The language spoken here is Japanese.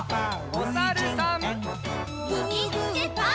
おさるさん。